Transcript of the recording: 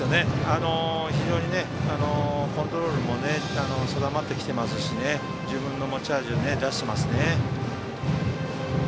非常にコントロールも定まってきていますし自分の持ち味を出してますよね。